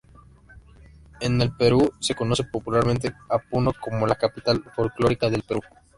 En el Perú, se conoce popularmente a Puno como la "Capital folclórica del Perú".